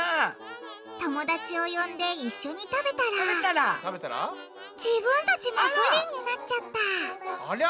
友達を呼んで一緒に食べたら自分たちもぷりんになっちゃったありゃ！